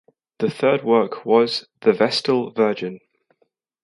The third work was "The Vestal Virgin".